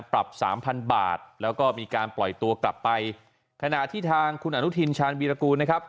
ปรับสามพันบาทแล้วก็มีการปล่อยตัวกลับไปขณะที่ทางคุณอนุทินชาญวีรกูลนะครับ